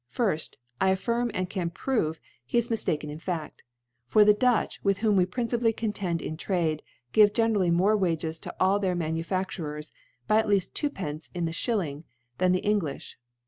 * Firfty I affirm, and can prove, he is mi£ * taken in Faft j for the Dutcby with wbomi * we principally contend in Trade, give ^ generally more Wages to all their Ms^ * nufafturers, by at leaft Twopence in the * Shillings than the Englijb.